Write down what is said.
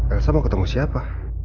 elsa mau ketemu siapa